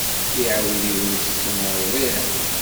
Iɛudiwen tetten ṛṛbiɛ.